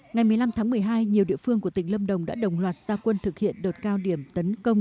ngày một mươi năm tháng một mươi hai nhiều địa phương của tỉnh lâm đồng đã đồng loạt gia quân thực hiện đợt cao điểm tấn công